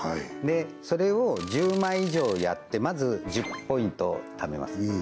でそれを１０枚以上やってまず１０ポイント貯めます